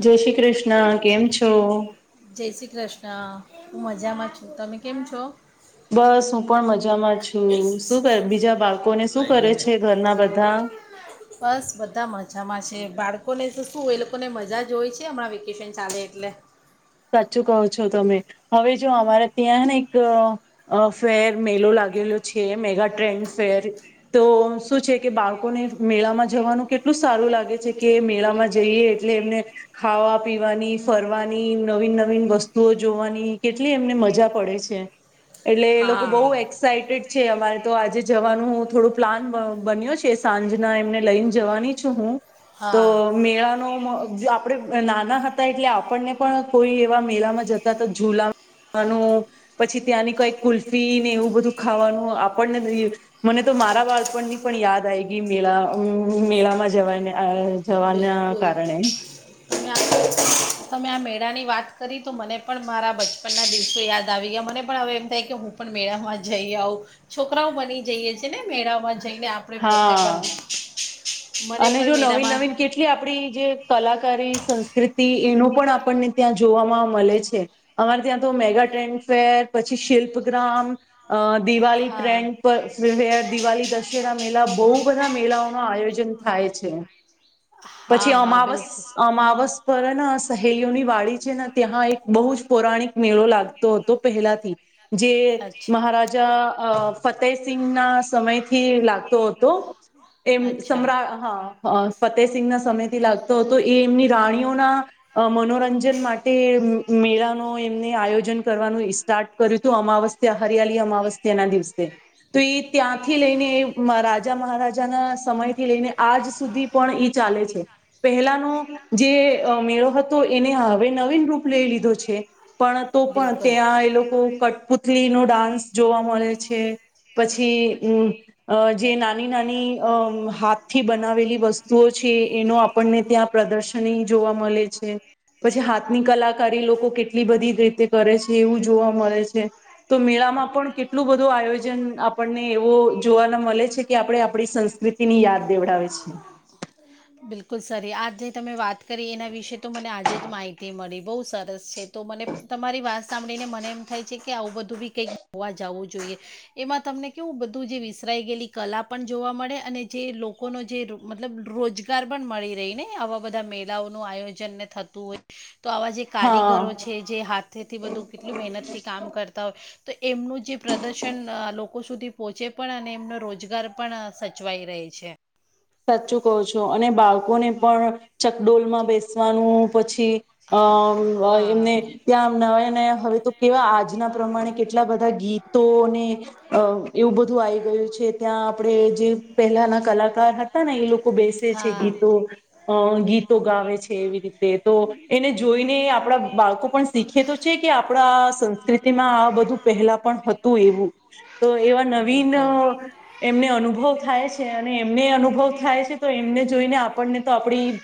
જય શ્રી કૃષ્ણ ના કેમ છો જય શ્રી કૃષ્ણ હું મજામાં છું તમે કેમ છો બસ હું પણ મજામાં છું શું કર બીજા બાળ બસ બધા મજામાં છે બાળકોને તો શું એ લોકોને મજા જ હોય છે હમણાં વેકેશન ચાલે એટલે સાચું કો છો તમે હવે જો અમારા ત્યાંને એક ફેર મેલો લાગેલો છે મેગા ટ્રેન્ડ ફેર તો શું છે કે બાળકોને મેળામાં જવાનું કેટલું સારું લાગે છે કે મેળામાં જઈએ એટલે એમને ખાવા પીવાની ફરવાની નવીન નવીન વસ્તુઓ જોવાની કેટલી એમને મજા પડે છે એટલે એ લોકો બહુ હા એક્સાઈટેડ છે અમારે તો આજે જવાનું થોડું પ્લાન બન્યો છે સાંજના એમને લઈને જવાની છું હું તો હા મેળા નો આપણેે નાના હતા એટલે આપણને પણ કોઈ એવા મેળામાં જતા તો ઝુલા ખવાનું પછી ત્યાંની કઈ કુલ્ફી ને એવું બધું ખાવાનું આપણને મને તો મારા બાળપણની પણ યાદ આવી ગઈ મેળા મેળામાં જવાય ને થવાના બિલકુલ કારણે.. તમે આ તમે આ મેળા ની વાત કરી તો મને પણ મારા બચપનના દિવસો યાદ આવી ગયા મને પણ હવે એમ થાય કે હું પણ મેળામાં જઈ આવઉં છોકરાઓ બની જઈએ છ.. જેને મેળામાં જઈને આપણે પોતે પણ.. હા મને અને પણ જો મેળામાં નવીન-નવીન કેટલી આપડી જે કલાકારી સંસ્કૃતિ એનું પણ આપણને ત્યાં જોવામાં મળે છે અમારે ત્યાં તો મેગા ટ્રેન્ડફેર પછી શિલ્પગ્રામ અ દિવાળી હા ટ્રેન્ડ પર ર દિવાળ દશેરા મેળા બહુ બધા મેળઓનુ આયોજન થાય છે. હા પછી હા અમાવસ બિલકુલ અમાવસ પર સહેલીઓની વાડી છે ને ત્યાં એક બહુ જ પૌરાણિક મેળો લાગતો હતો પહેલાથી જે અચ્છા મહારાજા ફતેહસિંંગના સમયથી લાગ હતો એમ અચ્છા સમ્રા હા ફતેહસિંંગ ના સમય થી લાગતો હતો એ એમની રાણીઓના મનો રંજન માટે મેળા નો એમને આયોજન કરવાનું સ્ટાર્ટ કર્યું હતું અમાવસ્યા હરિયાલી અમાવસ્યા ના દિવસે તો એ ત્યાંથી લઈને રાજા મહારાજાના સમય થી લઈને સુધી પણ એ ચાલે છે પહેલાનો જે મેળો હતો એને હવે નવીન રૂપ લઈ લીધો છે. પણ તો પણ બિલકુલ ત્યાં એ લોકો કટપુત લી નો ડાન્સ જોવા મળે છે પછી જો અ જે નાની-નાની અ હાથ બનાવેલી વસ્તુઓ છે એનો આપણને ત્યાં પ્રદર્શની જોવા મળે છે પછી હાથની કલાકારી લોકો કેટલી બધી રીતે કરે છે એવું જોવા મળે છે તો મેળામાં પણ કેટલું બધું આયોજન આપણને એવો જોવાના મળે છે કે આપણે આપણી સંસ્કૃતિ ની યાદ દેવડાવે છે. બિલકુલ સારી આજ જે તમે વાત કરી એના વિશે વિશે તો મને આજે જ માહિતી મળી. બહુ સરસ છે તો મને તમારી વાત સાંભળીને મને એમ થાય છે કે આવું બધું બી કંઈક હોવા જવું જોઈએ એમાં તમને કેવું બધું જે વિસરાઈ ગયેલી કલા પણ જોવા મળે અને જે લોકોનો જે મતલબ રોજગાર પણ મળી રહી ને આવા બધા મેળઓનું આયોજન ને થતું હોય. તો આવા જે હા કારીગરો છે જે હાથેથી બધું કેટલું મહેનતથી કામ કરતા હોય તો એમનું જે પ્રદર્શન લોકો લોકો સુધી પહોંચે પણ અને એમનો રોજગ ઘર પણ સચવાઈ રહે છે. સાચું કો છો અને બાળકોને પણ ચકડોલમાં બેસવાનું પછી અ અ હા એમને ત્યાં નયા-નયા હવે નુ કેવા આજ ના પ્રમાણે કેટલા બધા ગીતોને અ એવું બધું આવી ગયું છે ત્યાં આપણે જે પહેલાના કલાકાર હતા. હતા ને એ લોકો બેસે છે હા ગીતો અ ગીતો આવેે છે એવી રીત તે તો એને જોઈને આપણા બાળકો પણ શીખે તો છે કે આપણા સંસ્કૃતિમાં આ બધું પહેલા પણ હતું એવું, તો એવા નવીન બિલકુલ અહ એમને અનુભવ થાય છ અને એમને અનુભવ થાય છે તો એમને જોઈને આપણને તો આપડી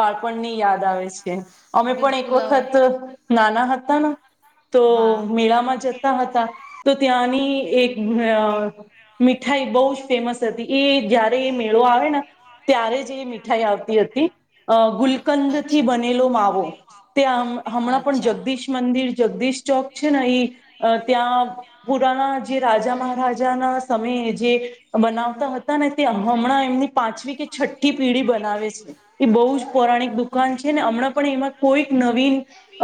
બાળપણની યાદ આવે છે. છે. અમે પણ એક બિલકુલ હવે વખત નાના હતાન તો હા મેળામાં જતા હતા, તો ત્યાંની કે એક અહ મીઠાઈ બહું જ ફેમસ હતી. એ જ્યારે એ મેળો આવેન ના ત્યારે મીઠાઈ આવતી હતી. અહ ગુલ કંદથી અચ્છા બનેલો માવો. તે આમ હમણાં પણ અચ્છા જગદીશ મંદિર જગદીશ ચોક છે ને, ઈ ત્યાં પુરાના જે રાજા મહારાજા ના સમયે જે બનાવતા હતા ને તે હમણાં એમની પાંચવી કે છઠ્ઠી પેઢી બનાવે છે. એ બહુ જ પૌરાણિક દુકાન છે ને હમણાં પણ એમાં કોઈક નવીન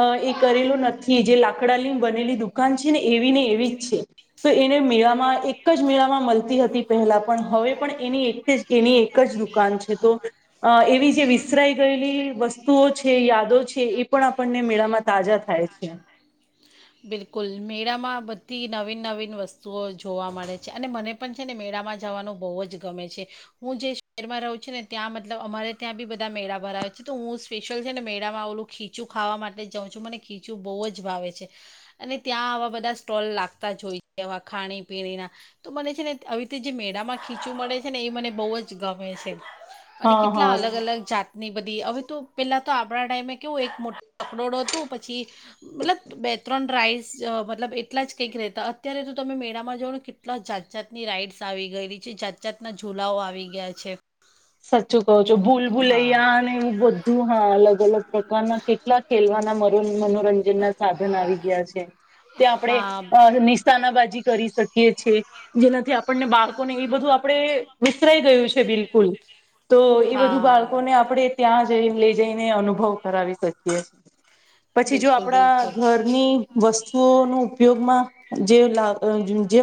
અહ એ કરેલો નથી જે લાકડાની બનેલી દુકાન છે ને એવી ને એવી જ છે. તો એને મેળામાં એક જ મેળામાં મલતી હતી પહેલા, પણ હવે પણ એની એક જ એની એક જ દુકાન છે તો એવી જે વિસરાઈ ગયેલી વસ્તુઓ છે યાદો છે એ પણ આપણને મેળામાં તાજા થાય છે. બિલકુલ મેળામાં બધી નવીન નવીન વસ્તુઓ જોવા મળે છે અને મને પણ છે ને મેળામાં જવાનું બહુ જ ગમે છે, હું જે શહેરમાં રહું છું ને ત્યાં મતલબ અમારે ત્યાં બી બધા મેળા ભરાવે છે તો હું સ્પેશિયલ છે ને મેળામાં ઓલું ખીચું ખાવા માટે જ જાઉં છું મને ખીચું બહુ જ ભાવે છે. અને ત્યાં આવા બધા સ્ટોલ લાગતા જ હોય છેવા ખાણી પીણીના તો મને છે ને આવી રીતે જે મેળામાં ખીચું મળે છે ને એ મને બહુ જ ગમે છે. અને હા કેટલા હા અલગ અલગ જાતની બધી હવે તો પેલા. તો આપણા ટાઈમે કેવું એક મોટો કકડોડો હતું પછી મતલબ. બે ત્રણ રાઇડ્સ મતલબ એટલા જ કંઈક રહેતા અત્યારે તો તમે મેળામાં જાઓ ને કેટલા જાત જાતની રાઇડ્સ આવી ગયેલી છે, જાત જાતના ઝૂલાઓ આવી ગયા છે. સાચું કહો છો ભૂલ તો હા ભૂલૈયા ને એવું બધું હા અલગ અલગ. પ્રકારના કેટલા ખેલવાના મનોરંજન ના સાધન આવી ગયા છે, ત્યાં હા આપણેે નિશના બાાજી. કરી શકીએ છીએ જેનાથી આપણને બાળ આપ ને એ બધું આપડે. વિસરાઈ ગયું છે બિલકુલ. તો એ બધું હા બાળકોને આપણે ત્યાં. જ લઈ જઈને અનુભવ કરાવી શકીએ છીએ. પછી જો બિલકુલ આપણા બિલકુલ ઘરની વસ્તુ. વતુ ન ઉપયોગમાં જે લાવી જે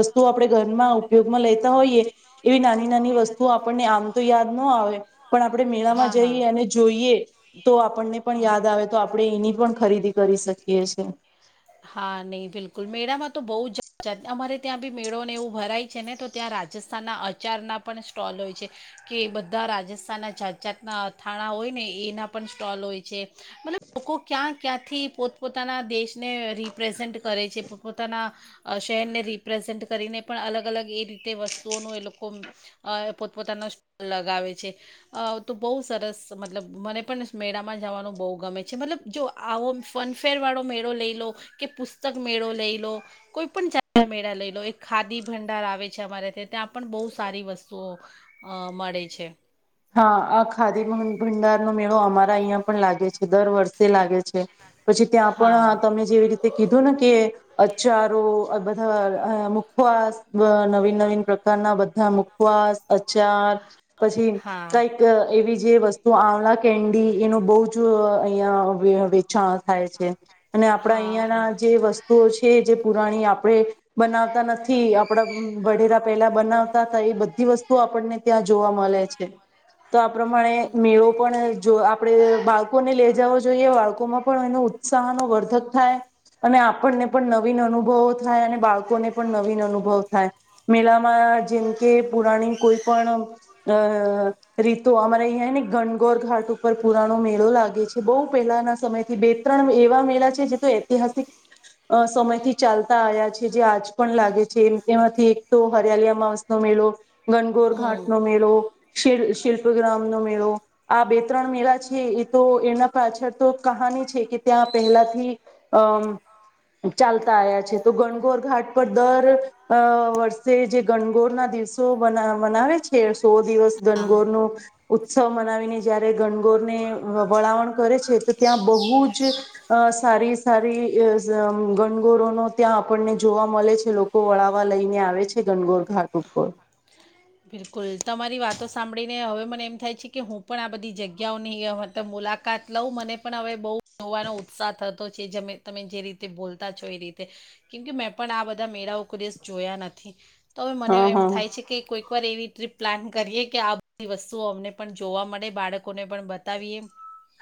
વસ્તુઓ આપણે ઘરમાં ઉપયોગમાં લેતા હોઈએ એવી નાની નાની વસ્તુઓ આપણને આમ. તો યાદ ના આવે. પણ આપણે મેળામાં હા હા જઈએ અને જોઈએ. તો આપણને પણ હા યાદ આવે તો આપણે એની પણ ખરીદી કરી શકીએ છે. હા નહી બિલકુલ મેળામાં તો બહુ જાત જાત અમારે ત્યાં બી મેળોને એવું ભરાય છે ને તો ત્યાં રાજસ્થાનના અચારના પણ સ્ટોલ હોય છે, કે બધા રાજસ્થાનના જાત જાતના અથાણા હોય ને એના પણ સ્ટોલ હોય છે મતલબ લોકો ક્યાં ક્યાંથી પોતપોતાના દેશ. ને રિપ્રેઝેન્ટ કરે છે, પોતપોતાના શહેરને રિપ્રેઝન્ટ કરીને પણ અલગ અલગ એ રીતે વસ્તુઓનું એ લોકો પોતપોતાના સ લગાવે છે તો બહુ સરસ મતલબ મને પણ મેળામાં જવાનું બહુ ગમે છે, મતલબ જો આવો ફનફેર વાળો મેળો લઈને. કે પુસ્તક મેળો લઈ લો, કોઈ પણ ચ મેળા લઈ લો એક ખાદી ભંડાર આવે છે અમારે્યા ત્યાં પણ બહુ સારી વસ્તુઓ અ મળે છે. હા આ ખાદી ભંડાર નો મેળો અમારા અહિયાં પણ લાગે છે દર વર્ષે લાગે છે. પછી ત્યાં પણ હા તમે જેવી રીતે કીધું ને કે અચારો બધા અ [unintelligible] નવીન નવીન પ્રકારના [unintelligible] [unintelligible] મુકવાસ [unintelligible] ચાર પછી હા [unintelligible] એવી જે વસ્તુ આવના કેન્ડી એનો બહુ જ [unintelligible] અહિયાં [unintelligible] વેચાણ થાય છે. અને આપડા હા અહિયાયાં હા ના જે વસ્તુ વતુઓ છે, જે પુરાણી આપણે બનાવતા નથી આપણા [unintelligible] પેલા બનાવતા હતા એ બધી વસ્તુઓ આપણને ત્યાં જોવા મળે છે. તો આ પ્રમાણે મેળો પણ જો આપણેે બાળકોને [unintelligible] જાવ જોઈએ બાળકોમાં પણ એનો ઉત્સાહ ન વર્ધક થાય અને આપણને પણ નવીન અનુભવો થાય અને બાળકોને પણ નવીન અનુભવ થાય મેળામાં જેમ કે પુરાણી કોઈ પણ અ રીતો અમારે અહં ને ગનગોર ઘાટ ઉપર પુરાણો મેળો લાગે છે, બહુ પહેલાના સમય થી બે ત્રણ એવા મેળા છે, જે તો ઐતિહાસિક સમયથી ચાલતા આવ્યા છે, જે આજ પણ લાગે છે. જે તેમાંથી એક તો [unintelligible] માસ નો મેળો ગનગોર હમ ઘાટ નો મેલો શ શિલ્પગ્રામ નો મેળો આ બે ત્રણ મેળા છે, એ તો એના પાછળ તો કહાની છે, કે ત્યાં પહેલાથી અમ ચાલતા આવયા છે, તો ગણગોર ઘાટ પર દર વર્ષે જે ગણગોર ના [unintelligible] દિવસો મનાવે છે, સો દિવસ હા ગોરનું ઉત્સવ મનાવીને જયારે ગણગોરને વળાવણ કરે છે, તો ત્યાં બહુ જ સારી સારી ગનગોરોનો ત્યાં આપણને જોવા મળે છે, લોકો વળાવવા લઈને આવે છે, ગનગોર ઘાટ ઉપર બિલકુલ તમારી વાતો સાંભળીને હવે મને એમ થાય છે, કે હું પણ આ બધી જગ્યાઓની મુલાકાત લઉં મને પણ હવે [unintelligible] જોવાનો ઉત્સાહ થતો જે તમે જે રીતે બોલતા છો એ રીતે કેમકે મેં પણ આ બધા મેળાઓ દેશ જોયા નથી. તો હવે મને હા એમ હા થાય છે, કે કોઈ એવી ટ્રીપ પ્લાન કરીએ કે આ બધી વસ્તુઓ અમને પણ જોવા મળે બાળકોને પણ બતાવીએ.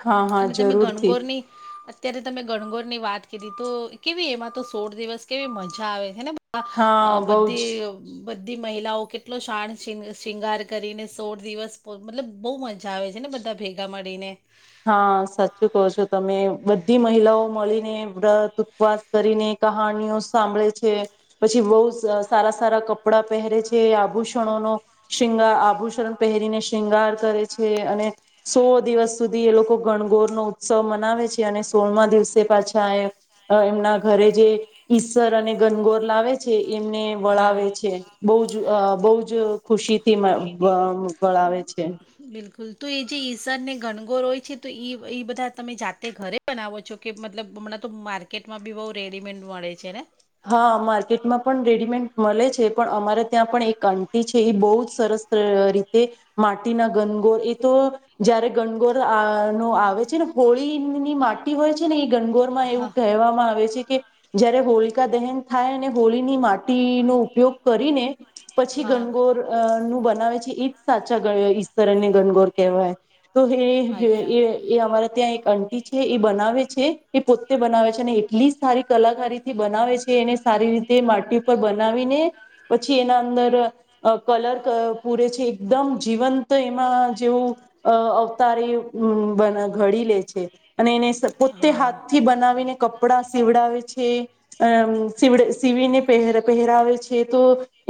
હા હા જરૂરથી ત્યારે તમે ગણગોર ની વાત કરી તો કેવી એમાં તો સોળ દિવસ કેવી મજા આવે છેને હા [inaudible] બહુ બધી જ બધી મહિલાઓ એટલો [unintelligible] શૃંગાર કરીને સોળ દિવસ મતલબ બહુ મજા આવે છે, ને બધા ભેગા મળીને. હા સાચું કહો છો તમે બધી મહિલાઓ મળીને વ્રત ઉપવાસ કરીને કહાણીઓ સાંભળે છે, પછી બહુ સારા સારા કપડાં પહેરે છે, આભૂષણોનો [unintelligible] આભૂષણ પહેરીને શૃંગાર કરે છે, અને સો દિવસ સુધી એ લોકો ગનગોર નો ઉત્સવ મનાવે છે, અને સોળમા દિવસે પાછા એમના ઘરે જે ઈસર અને ગનગોર લાવે છે. એમને વળાવે હા છે, [unintelligible] જ બહુ જ ખુશીથી [unintelligible] વળાવે છે. [unintelligible] એ જે ઈસન ને ઘનગોર હોય છે, તો એ બધા તમે જાતે ઘરે બનાવો છો કે મતલબ હમણાં તો માર્કેટમાં બી બહુ [unintelligible] મળે છે, ને હા માર્કેટમાં પણ રેડીમેડ મળે છે, પણ અમારે ત્યાં પણ એક કંટી છે, એ બહુ જ સરસ રીતે માટીના ગનગોર એ તો જયારે ગનગોર આ નો આવે છે, ને હોળીની માટી હોય છે ને એ ગનગોર માં એવું હા કહેવામાં આવે છે, કે જય્યારે હોળી કા દહેન થાય અને હોળીની માટીનોો ઉપયોગ કરીને. પછી હા ગનગોર નું બન બવે છે એ જ સાચા ઈશરને ગનગોર કહેવાય. તો અચ્છા એ એ અમારે ત્યાં એક આટી છે એ બનાવે છે એ પોતે બનાવે છે અને એટલી સારી કલાકારથી બનાવે છે એને સારી રીતે માટી ઉપર બ બનાવીને પછી એના અંદર અ કલર પૂરે છે એકદમ જીવંત એમાં જેવું અવતારે ઘડી લે છે અને એને પોતે હા હાથથી બનાવીને કપડાં સીવડાવે છે. અ સડ સીવીને પહે પહેરાવે છે તો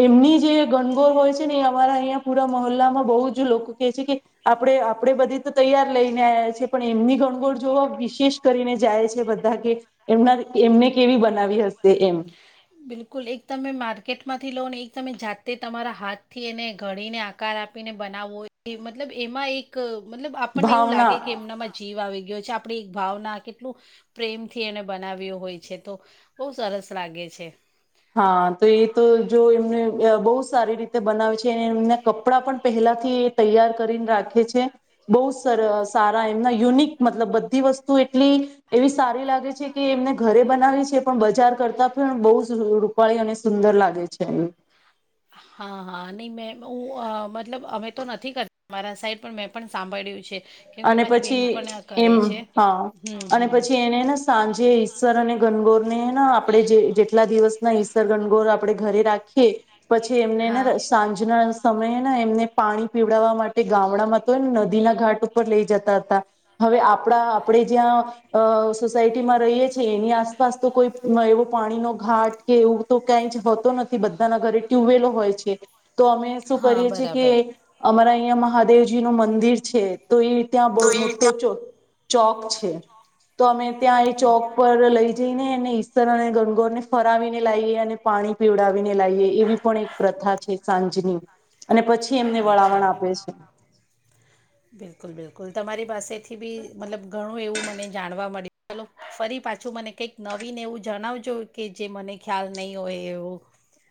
એમની જે ગણગોર હોય છે ને અમારા અહીંયા પૂરા મહોલ્લામાં બહુ જ લોકો કેહે છે કે આપણે આપણે બધે તો તૈયાર લઈને આવ્યા છે પણ એમની ગણગોર જોવા વિશેષ કરીને જાય છે બધા કે એમના એમને કેવી બનાવી હશે એમ બિલકુલ એક તમે માર્કેટ માંથી લોન એક તમે જાત તે તમારા હાથ થી એને ઘડીને આકાર આપીને બનાવવો મતલબ એમાં એક મતલબ આપણને એવું ભાવના લાગે કે એમનામાં જીવ આવે ગ છે આપણી એક ભાવના કેટલું પ્રેમથી એને બનાવ્યો હોય છે તો બહુ સરસ લાગે છે. હા તો એ તો જો એમને બહુ સારી રીતે બનાવે છે અને એમના કપડાં પણ પહેલાથી તૈયાર કરીને રાખે છે. બહુ સર સારા એમના યુનિક મતલબ બધી વસ્તુ એટલી એવી સારી લાગે છે કે એમને ઘરે બનાવી છે પણ બજાર કરતા પણ બઉજ રૂપાળી અને સુંદર લાગે છે. હા હા. અને મેં હું મતલબ અમે તો નથી કરતા મારા સાઈડ પણ મેં પણ સાંભળ્યું છે. કેમ કે અને મારી પછી બેન પણ આ એમ કરે છે હા હમ અને હમ પછી એને ને સાંજે ઈસર અને ગનગોર ને આપણેે જે જે દિવસ ના સર ગણગોર આપડે ઘરે રાખીએ. પછી એમને ને હા સાંજના સમયે ને એમને પાણી પીવડાવવા માટે ગામડામાં તોને નદી ના ઘાટ ઉપર ઉપ લઈ જતા હતા હવે આપણા આપણે જ્યાં સોસાયટીમાં રહીએ છીએ અ એની આસપાસ તો કોઈ એવો પાણીનો ઘાટ કે એવું તો ક્યાંય જ હોતો નથી બધાના ઘરે ટ્યુબવેલો હોય છે. તો અમે શું હા કરીએ છીએ કે બરાબર અમારા મહાદેવજી નું મંદિર છે. તો ઈ ત્યાં હમ બઉ મોટો છો. ચોક છે તો અમે ત્યાં એ ચોક બિલકુલ. પર લઈ જઈને ઈસર અને ગંગોર ને ફરાવીને લાવએ અને પાણી પીવડાવીને લાવએ એવી પણ એક પ્રથા છે સાંજની. અને પછી એમને વળામણ અચ્છા આપે છે. [unintelligible] તમારી પાસેથી બી મતલબ ઘણું એવું મને જાણવા મળ્યું ચલો ફરી પાછું મને કંઈક નવીન એવું જણાવજો કે જે મને ખ્યાલ નહીં હોય એવું.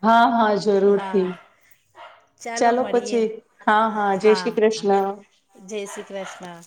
હા હા જરૂરથી હા ચાલો પછી હા જય હા શ્રી હ કૃષ્ણ જય શ્રી કૃષ્ણ.